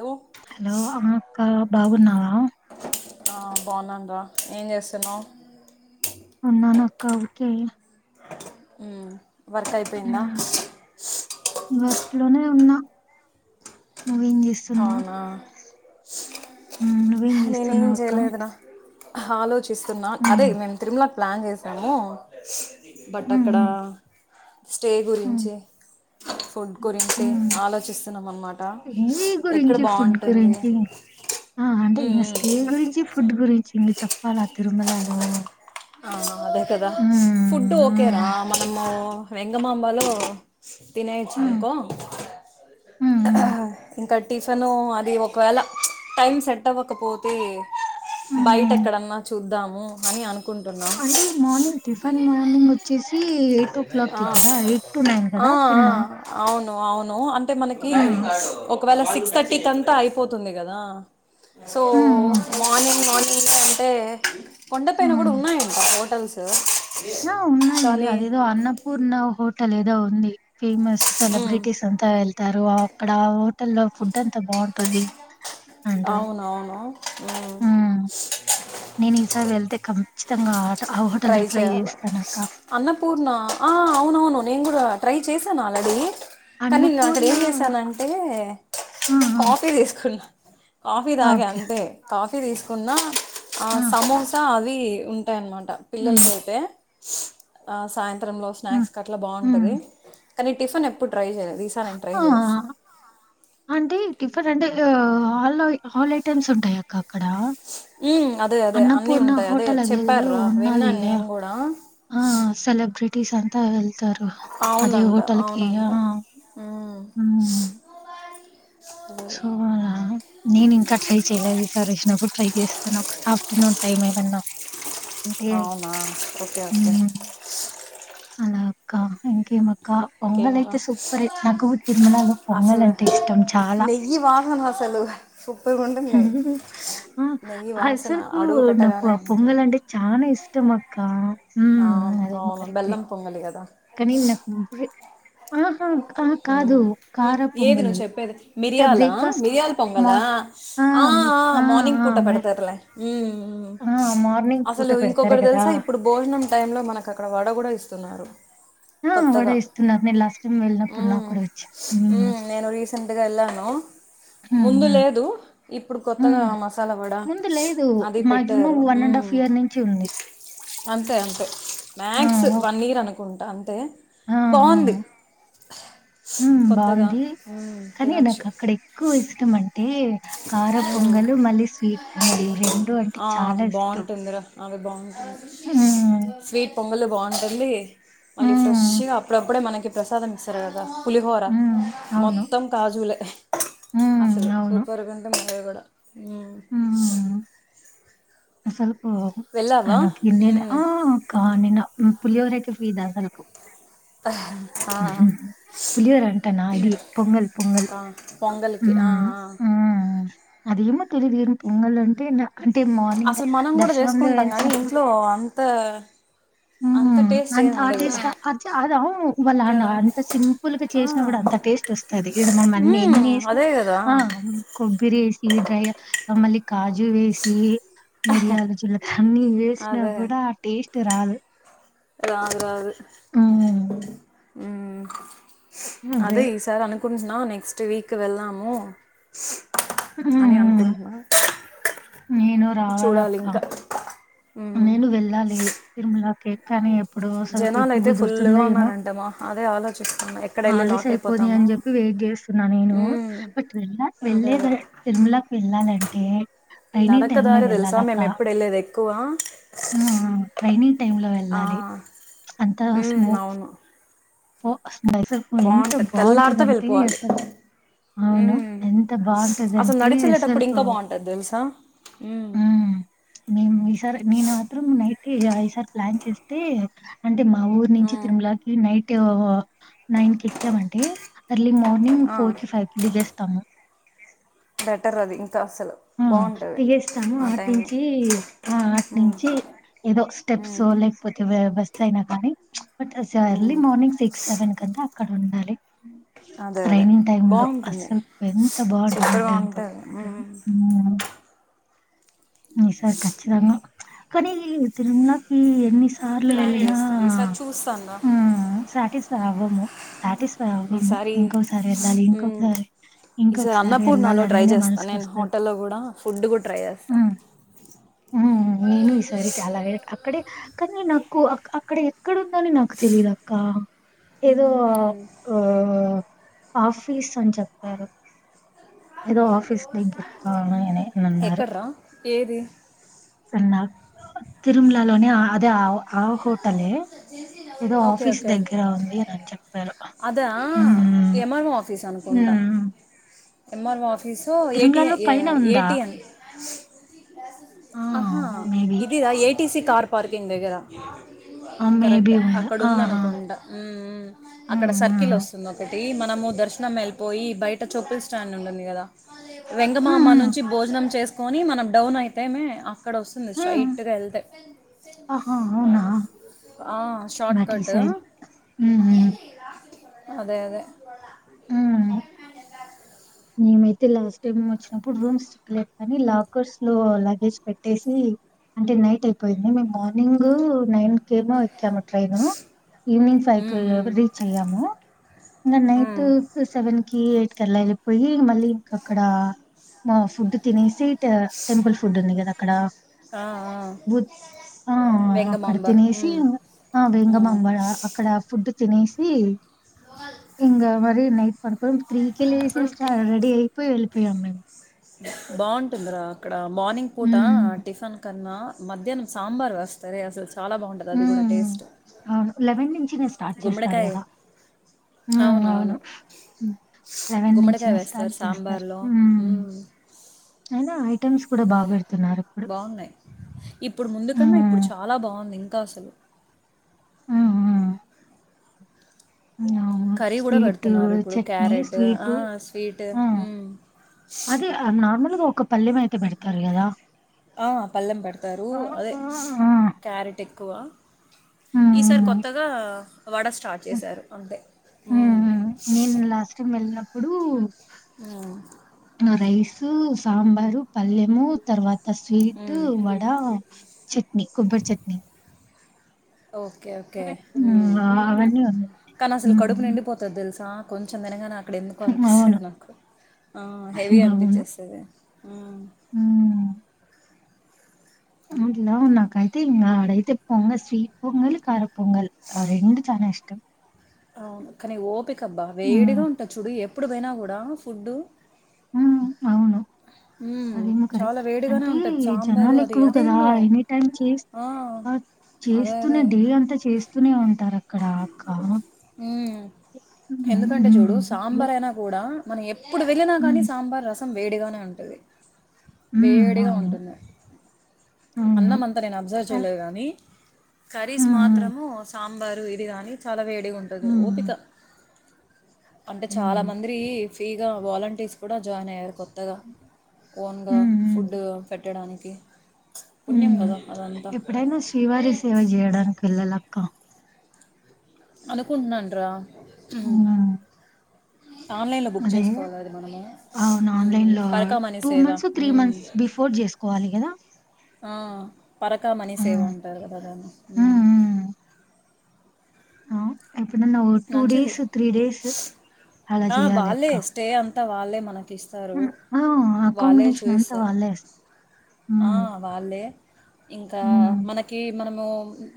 Hello hello అమ్మఅక్కా బాగున్నావా ఆ బావున్నాను రా ఏం చేస్తున్నావు ఉన్నానక్క ఊ కే ఊ వర్క్ అయిపోయిందా వర్క్ లోనే ఉన్నా నువ్వేం చేస్తున్నావు అవునా నువ్వేం చేస్తునావ్ అక్క ఆ లో చేస్తున్నాను అదే ఉమ్, నేను తిరుమల ప్లాన్ చేసాము బట్ ఉమ్, అక్కడా ఉమ్, స్టే ఉమ్, గురించి ఫుడ్ గురించి ఉమ్. ఆలోచిస్తున్నాం అన్నమాట ఏ ఎక్కడ గురించి ఫుడ్ బాగుంటుంది గురించి అంటే మ్మ్ ఇ మ్మ్ స్టే గురించి ఫుడ్ గురించి ఇ చ ఆ తీరుమలాలో ఆ అదే కదా ఫుడ్ ఓకేరా మనము వెంగమాంబ లో తినేయచ్చు ఉమ్, అనుకో ఉమ్, ఉమ్, ఇంకా టిఫిను అది ఒకవేళ టైం సెట్ అవ్వకపోతే బయట ఉమ్. ఎక్కడన్నా చూద్దాము అని అను అంటే మార్నింగ్ టిఫన్ [unintelligible] వచ్చసి ఎయిట్ ఓ ఆ క్లాక్కిి కదా ఎయిట్ టు నైన్ కదా టెన్ ఆ అవును అవును అంత మనకి ఒక్కటే ఒకవేళ సిక్స్ థర్టీ క అంతా అయిపోతుంది కదా సో మార్నింగ్ మార్నింగ్ అంటే కొండ పైన కూడా ఉన్నాయంట హోటల్స్ స నా ఉన్నాయి అదే అన్నపూర్ణ హోటెల్ లేదా ఉంది ఫేమస్ సెలబ్రిటీస్ అంతా వెళ్తారు ఆ ఒక్ అక్కడ ఆ హోటల్ లో ఫుడ్ అంతా బాగుంటది అవునువును హ నేను ఈసారి వెళ్తే కమ్ ఖచ్చితంగా ఆ హోటల్ ట్రై లో చేయాల చేస్తాను అక్క అన్నపూర్ణ ఆ అవునవును నేను కూడా చేశాను ఆల్రెడీ కానీన్ అక్కడ అన్నపూర్ణ ఏం చేసానంటే ఆ కాఫీ తీసుకున్నా కాఫీ ఆ తాగా ఓకే అంతే కాఫ్ టీ తీసుకున్నా ఆ సమోసా అద్ అవి ఉంటాయిన్నమాట ఉమ్ పిల్లలకి అయితే ఆ సాయంత్ త్రం లో ఉమ్ స్నాక్స్ అట్లా ఉమ్ బాగుంటుంది కానీ టిఫన్ ఎప్పుడు ట్రై చే వీసా ఆయన ట్రై ఆ చేసేస్తా అంటే టిఫెంట్ అంటే ఆ ఆల్అని ఆల్ ఐటమ్స్ ఉంటాయ అక్క అక్కడ హ్మ్ అదే అదే అన్నీ అన్నపూర్ణ ఉంటాయి అదే హోటల్ అదేదో చెప్పార్ రా ఉన్నది విన్నాను నేను కూడా టిస్ అంతా వెల్ సారు అదే అవునంట హోటల్ కి ఆ అవునంట మ్మ్. మ్మ్ సోవాలా నేను ఇంకా ట్రై చేయలేదు ఈసార్ వచ్చినప్పుడు ట్రై చేస్తాను ఒక ఆఫ్టర్నూన్ టైమ్ ఏమన్నా అంటే అవునా ఓకే ఓకే హ్మ్. అలా అక్కా ఇంకేం అక్ ఇంకా పొంగల్ ఇంకేంట్రా అయితే సూపర్ నాకు తిరుమలలో పొంగల్ అసలు అంటే ఇష్టం చాలా నెయ్యి వాసన అసలు సూపర్గా ఉంటుంది ఆ నెయ్యి వాసన అసల్కు అడుగు నాకు పెట్టగానే ఆ మనకి పొంగల్ అంటే చాలా ఇష్టం అక్క అవును అవును బెల్లం పొంగలి కదా కానీ నాక్ ము ఆహా హ్మ్ హు ఏది నువ్ చెప్పేది ట మిర్యాల బ్రేక్‌ఫాస్ట్ మిరియాల ఆహ్, పొంగల్ మార్ ఆ ఆ ఆ! మార్నింగ్ ఆ! పూట మరి పెడతర్లే మ్మ్ మ్మ్ ఆ! మార్నింగ్ పూట అసలు పెడతారు ఇంకొకటి గదా! తెలుసా ఇప్పుడు భోజనం టైంలో మనకు అక్కడ వడ కూడా ఇస్తున్నారు ఆ వడే ఇస్తున్నారు నేను లాస్ట్ టైం వెళ్ళినవ్ మ్మ్ మ్మ్ నేను రీసెంట్గా వెళ్ళాను హ్మ్ ముందు హ్మ్ లేదు ఇప్పుడు కొత్తగా హ్మ్ ఆ మసాలా వడ ముందు లేదు అది మాక్సిమం పెట్టారు one and half hmm year నుంచి ఉంది. అంతే అంతే ఆ మ్యాక్స్ ఓక్ వన్ ఇయర్ అనుకుం అంతే బాంది హు బాంది ఉమ్ కానీ నాకు తినొచ్చు అక్కడ ఎక్కువ ఇష్టం అంటే హే కారం ఉమ్ పొంగలి మళ్ళీ స్వీట్ పొంగలి ఇవి రెండు అంటే ఆ చాలా ఇష్టం బాగుంటుందిరా అవి బాగున్ హ్మ్. స్వీట్ పొంగల్ బాగుంటుంది మళ్ళీ హ్మ్. ఫ్రెష్గా అప్పుడప్పుడే మనకి ప్రసాదం ఇస్తారుగా పులిహోరా హ్మ్. అవును. మొత్తం కాజువులే అసలు హ్మ్. అవును. సూప్ మొత్తం అవే కూడా ఊ అస్సలు ఓహో అనకుందే మ్మ్. ఆ కానిన పులిహోరకి ఫ్రీ దర్శనకు ఆ, పులిహొరంటనా అది పొంగల్ పొంగల్ ఆ, ఊ పొంగల్కి ఆ, ఆ. ఊ హు అదేమోతెలీదు ఏమి పొంగల్ అంటేనా అంటే మార్నింగ్ అసలు మనం కూడా దర్శనంలో చేసుకుంటాం కానీ వెలిసినప్పుడు ఇంట్లో కూడా అంత ఊ అంత టేస్ట్ అంత ఏమి ఆ ఉండదు టేస్ట్ అది అవ్ వాళ్ళ అ కదా అంత సింపుల్ గా ఆ, చేసినకూడ అంత టేస్ట్ వస్తుంది ఇడ మనం అన్ని ఎన్ని మ్మ్, వేసినా అదే కదా ఆ కొబ్బరి వేసి డ్రై ఇంక మళ్లీ కాజు వేసి మిరియాలు జీలకర్ర అన్ని వేసిన అదే కూడా ఆ టేస్ట్ అయితే రాదు రాదు రాదు హ్మ్. ఊ అదే ఈ సారన్న నేన్ అనుకుంటున్నాం నెక్స్ట్ వీక్ వెల్దము హ్మ్. అని హ్మ్. అనుకుంటున్నా నేను రావాలక్క. చూడాలింకా నేను వెళ్ళాలి తిరుమల ఒకే కాని జనాలుయితే ఫుల్ గా ఉన్నారంటమా అదే ఆలోచిస్తున్నా ఎక్కడ వెళ్ళి హాలిడేస్ లాక్ అయిపోది అయిపోతామో అని చెప్పి వెయిట్ చేస్తున్నా నేను మ్మ్. బట్ వెళ్ళకి అదే వెళ్లే అదే కదా తిరుమలాకి వెళ్ వెళ్ళాలంటే రైైనీ నడక టైమ్ లో దారి తెలుసా మేం ఎప్పుడ ఎల్లేది ఎక్కువ హు హ్మ్మ్ రైనింగ్ టైమ్ లో ఆ, వెళ్ళాలి అంత మ్మ్, స్మోక్ అవును హో స ఎంత బాగుంటుంది తెల్లారితో బాగుంటదంటే వెళ్ళిపోవాలి అసలు అవును మ్మ్. ఎంత అసలు బాగుంటదంటే నడిచి అసలు వెళ్ళేటప్పుడు ఇంకా బాగుంటుంది తెలుసా మ్మ్. హ్మ్మ్ మేము ఈసారి నేను మాత్రం నైట్ ఇగ ఈసారి ప్లాన్ చేస్తే అంటే ఆ ఊరు నుంచి ఆ. తిరుమలకి నైట్ హో హో నైన్ క ఎక్కామంటే ఎర్లీ మార్నింగ్ ఆ ఫోర్ కి ఫైవ్ కి దిగేస్తాము బెటర్ అది ఇంకా అసలు హ్మ్మ్ బాగుంటది తిగేస్తాము ఆ ఆటి టైంలో నుంచి ఆ ఉమ్, ఆటినుంచి ఏదో స్టెప్స్ ఉమ్, లేకపోతే సైనా కానీ but early um. Morning six seven కంతా అక్కడ ఉండాలి అదే అదే రైనింగ్ టైమ్ లో బాగుంటుంది అసలు ఎంత సూపర్గా బాగుంటుందంటే అంత ఉంటుంది బాగుంటుంది ఉమ్. హ్మ్మ్ ఈ సారి ఖచ్చితంగా కానీ తిరుమలకి సార్లు ప్లాన్ వెళ్ళిన చేస్తా ఈసారి చూస్తాను రా హ్మ్మ్ సాటిస్ అవును సాటిస్ఫై అవ్వము ఈసారి ఇంకొకసారి వెళ్ళాలి ఉమ్, ఇంకొకసారి ఇంకొకసారి వెళ్ళాలి అనేనే మనసుకోస్త టల్లో కూడా ఫుడ్ కూడా ట్రై చేస్తా హ్మ్. నేను ఈసారి అలాగే అక్కడే కానీ నాకు అక్కడ ఎక్కడందని నాకు తెలిదు అక్క ఏదో ఆ హో ఆఫీస్ అని చెప్పారు ఏదో ఆఫీస్ దగర అ నేనే ఉన్నారు ఎక్కడ్రా ఏది ఉన్నారు తిరుమలాలోని అదే ఆ ఆ హో టలే ఏదో ఓకే ఆఫీస్ ఓకే దగ్గర ఉంది అని అని చెప్పారు కుంట హ్మ్ ఏం ఆర్ ఓ ఆఫీస్ ఏస్సు ఏ టి తిరుమలలో పైన ఏ ఉందా? టి న్ ఆ ఆహా మేబి ఇదిరా A T C car parking దగ్గర ఆ కరెక్ట్ మేబి ఉండ అక్కడ ఆహా! ఉందనుకుంటా ఊ ఊ అక్కడ హ్మ్ సర్కిల్ హ్మ్ వస్తుంది ఒకటి ఒకటి మనము దర్శనం వెళ్ళిపోయి బయట చొప్పుల్ స్టాండ్ ఉంటుంది కదా వెంగమాంబ హ్మ్ నుంచి భోజనం చేసు చేసుకోని మనం డౌన్ అయితే అక్కడ వస్తుంది హ్మ్ స్ట్రెయిట్గా వెళ్తే ఆహా! అవునా! ఆ నాట్ ఈ షార్ట్కట్ సైడ్ హ్మ్ హ్మ్ అదే అదే హ్మ్ మేమైతే లాస్ట్ టైమ్ వచ్చినప్పుడు రూమ్ చిక్కలేదు కానీ లాకర్స్ లో లగేజ్ పెట్టేసి అంటే నైట్ అయిపోయింది మేం మార్నింగ్ నైన్ కేమో ఎక్కాము ట్రైను ఈవినింగ్ ఫైవ్కి మ్మ్ మ్మ్ రీచ్ అయ్యాము ఇంగ నైట్ మ్మ్ సెవెన్కి ఎయిట్ తెల్ల ఇప్ పొయ్యి మళ్ళీ ఇంక అక్కడ మా ఫుడ్ తినేసి టె టెంపుల్ ఫుడ్ ఉంది కదా అక్కడ ఆ ఆ ఉ ఆ ఆ అక్కడ వెంగమాంబ తినేసి మ్మ్ ఇంగ ఆ మ్మ్ వేంగమాంబ అక్కడ ఫుడ్ తినేసి ఇంగ మా ఇంగ నైట్ పడుకొని త్రీ కే లేసేసి అప్పుడు అది అయిపోయి వెల్లిపోయాము మేము బాగుంటుందరా అక్కడ హా మార్నింగ్ పూట హ్మ్. టిఫెన్ కన్నా మధ్యాహ్నం సాంబార్ వేస్తారే అసలు చాలా బాగుంటుంది అది కూడా హ్మ్. టేస్ట్ అవును. నుంచినే స్టార్ట్ చేస్తారు గుమ్మడికాయ కదా అవును అవునవును లెవెన్ నుంచి గుమ్మడికాయ స్టార్ట్ వేస్తారు చేస్తారు సాంబార్లో హు మ్మ్. అయినా ఐటమ్స్ కూడా బాగా పేడత బాగున్నాయి ఇప్పుడు ముందుకన్నా ఇప్పుడు హ్మ్. చాలా బాగుంది ఇంకా ఇంకా అసలు హా హా అవును కర్రీ కూడా స్వీట్ పెడుతున్నారు ఇప్పుడు చట్నీ క్యారెట్ ఆ, స్వీట్ స్వీట్ ఆ మ్మ్. అదే నార్మల్గా ఒక పల్లెం అయితే పెడతారు కదా ఆ పళ్లెం పెడతారు అదే ఆ! ఆ! క్యారెట్ ఎక్ కువ హ్మ్. ఈసారి హ్మ్. కొత్తగా వడ స్టార్ట్ హ్మ్. చేశారు అంతే ఇప్పుడు మ్మ్. నా రయిస్ సాంబారు పల్లేము తర్వాత త స్వీట్ మ్మ్. వడా చెట్ట్ నీ కొబ్బర్ చట్నీ ఓకే ఓకే హ్మ్. ఆ! అవన్నీ ఉన్నాయి. కానీ అసలు కడుపు హ్మ్. నిండిపోతది తెలుసా కొంచెం తెనంగా నా అక్కడ ఎందుకు అవును. అనిపిస్తుంది నాకు ఆ హెవీ అవును. అనిపించేస్తుది అలా ఉ నాకు అయితే ఇం ఆడైయితే పోంగల్ స్వీట్ పొంగలి కారి పొంగల్ ఆ రెండు చాన ఇష్టం తం అవును కానీ ఓపి కబ్బా వేడిగా ఉంటా చూడు ఎప్పు ఇప్పుడు పోయినా కూడా ఫుడ్డు ఉ అవును హ్మ్. అదేమకరె చాలా వేడిగానే అంటే ఉంటది సాంబారు జనాలు అది. ఎక్కువ కదా అదేందో ఎనీ టైమ్ చే ఆ! అదే. చేస్తూనే అదే. డే అంతా చేస్తూనే ఉంటారు అక్కడ కాం ఎందుకంటే చూడు హ్మ్. సాంబార్ యాహ్! అయినా కూడా మన ఎప్ ఇప్పుడు వెళ్లిినా కానీ హ్మ్. సాంబార్ రసం సం వేడిగానే ఉంటది హ్మ్. వేడిగా అవును. ఉంటుంది అవును. అన్నంమంతా నేను అబ్జర్వ్ ఆహ్, చేయలేదు గానీ కర్రీస్ హ్మ్. హ్మ్. మాత్రము సా అంబారు ఇది కాని చాలా వేడ్ అ ఉంటుంది ఓపిక హ్మ్. అంటే చాలా హ్మ్. మంద్రి ఫ్రీగా వాలంటీర్స్ కూడా జాయిన్ అయ్యారు కొత్త అత్తగా ఓన్గా హ్మ్. హ్మ్. ఫుడ్ పెట్ట పెట్టడానికి పుణ్యం హ్మ్ కదా అదంతా ఎప్పుడైనా శ్రీవారి సేవ చేయడానికి వెళ్లల్ల క్క అనుకుంటున్నాను రా అవునా ఆన్లైన్లో బుక్ చేసుకోవాలి అది మనము అవును. ఆన్‌లైన్‌లో పరకా మనీ సేవ మంత్స్, మంత్స్ బిఫోర్ జేసుకోవాలి గదా! ఆ పరకా మనీ సేవా హ్మ్. అంటారు కద దాన్నీ హ్మ్. హ్మ్. ఎప్పుడున్న టూ మంచిది డేస్ త్రీ డేస్ అలా చెయాలి అక్క ంతా వాళ్ళే మనకి ఇస్తారు హ్మ్. ఆ! ఆ వాళ్ళే కాంబినేషన్ అంతా చూయిస్తారు వాళ్ళే ఏస్ ఆ హ్మ్. వాళ్ళే ఇంకా హ్మ్. మనకి మనం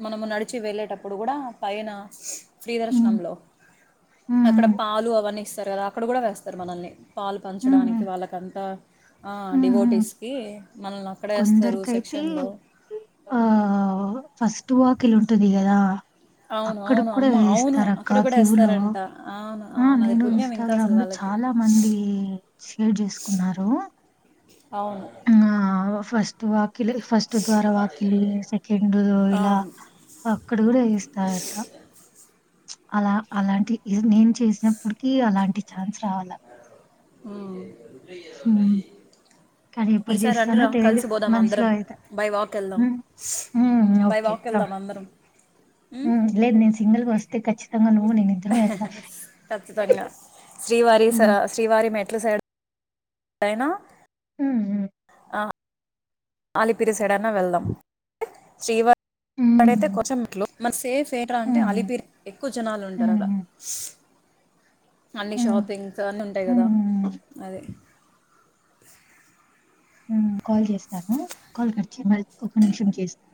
మనము నడిచి వెళ్ళేటప్పుడు కూడా పైన హ్మ్. లో హ్మ్. అక్కడ హ్మ్. పాలు అవన్నీ సారు కదా అక్కడ కూడా వేస్తారు మనల్ని పాలు హ్మ్. పంచడానికి హ్మ్. వాళ్ళకంతా హ్మ్. హ్మ్. డివోటీస్కి కొందరికైతే ఆ ఫస్ట్ వాకిలి ఉంటది కదా అవును. అక్కడకి అవును. కూడా అమ్మ అవును. వేయిస్తారు అక్కడ అక్క గూడా కివ్ లో ఏస్తారంట. అవును. ఆ అవును. అది నేను పుణ్యం ఇంకా అసలు ఇన్స్టాగ్రామ్ లో వాళ్ళకి. చాలా మంది షేర్ చేసుకున్నారు అవును ఆ ఫస్ట్ వాక్ వాకిల్ ఫస్ట్ ద్వారా వాకిలి సెకండు ఇలా అవును. అక్కడ కూడ చేస్తారంట అలా అలాంటి నేను చేసినప్పటికి అలాంటి ఛాన్స్ రావాల హ్మ్ హ్మ్ కానీ ఎప్పుడు ఈసారి చేస్తానో రండిరా తెలీదు కలిసి పోదాం మనసులో అందరం అయితే. బై వాక్ వెళ్దాం హ్మ్. హ్మ్. By okay. వాక్ కమ్. వెళ్దాం అందరం ఉమ్? లేదు నేన్ సింగల్ వస్తే ఖచ్చి తంగా ఖచ్చితంగా శ్రీవారి హ్మ్. శ్రీవారి మెట్ ఎట్లా సైడ్ అయినా హ్మ్ హు అ ఆలిపిరిస డన్నా వెళ్దాం శ్రీవారి అక్కడైతే హ్మ్. కొంచెం మెట్లు మన సేఫ్ ఎంట్రా అంటే హ్మ్. అలిపిరి ఎక్కువ జనాలుంటారు హ్మ్. అలా హ్మ్. అన్ని హ్మ్. షాపింగ్స్ అన్నీ ఉంటాయి కదా హ్మ్. అదె ఉమ్ కాల్ చేస్తాను కాల్ కట్చే మళ్ళీ ఒక నిమిషం చేస్తాను